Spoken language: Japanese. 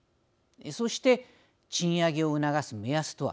そして、賃上げを促す目安とは。